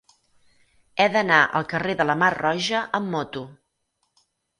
He d'anar al carrer de la Mar Roja amb moto.